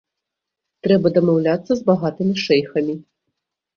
Трэба дамаўляцца з багатымі шэйхамі.